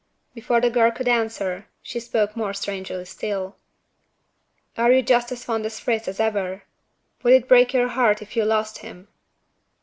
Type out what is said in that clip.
Before the girl could answer, she spoke more strangely still. "Are you just as fond of Fritz as ever? would it break your heart if you lost him?"